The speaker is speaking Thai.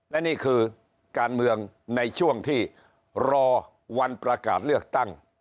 และนี่คือการเมืองในช่วงที่รอวันประกาศเลือกตั้ง